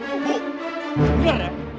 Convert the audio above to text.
ibu bener ya